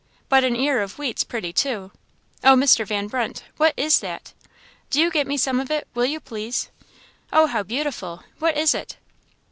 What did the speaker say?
but an ear of wheat's pretty, too. Oh, Mr. Van Brunt, what is that? Do you get me some of it, will you, please? Oh, how beautiful! what is it?"